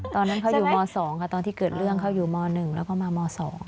ตอนนั้นเขาอยู่ม๒ค่ะตอนที่เกิดเรื่องเขาอยู่ม๑แล้วก็มาม๒